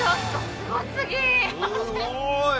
すごい！！